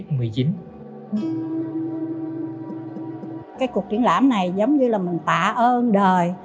cái cuộc triển lãm này giống như là mình tạ ơn đời